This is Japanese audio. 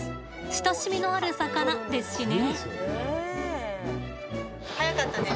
親しみのある魚ですしね。